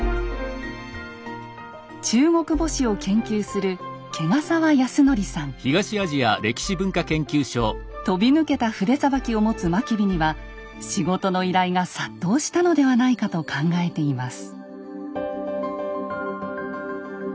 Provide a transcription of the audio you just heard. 中国墓誌を研究する飛び抜けた筆さばきを持つ真備には仕事の依頼が殺到したのではないかと考えています。